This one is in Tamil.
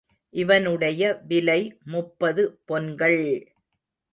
இவனுடைய விலை முப்பது பொன்கள்!